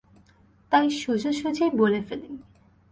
তাই, সোজাসুজিই বলে ফেলি।